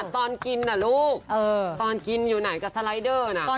ตอนกินน่ะลูกตอนกินอยู่ไหนกับสไลเดอร์น่ะ